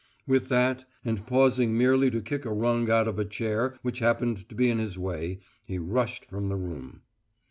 With that, and pausing merely to kick a rung out of a chair which happened to be in his way, he rushed from the room.